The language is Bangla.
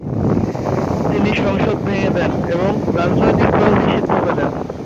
তিনি সংসদ ভেঙে দেন এবং রাজনৈতিক দল নিষিদ্ধ করেন।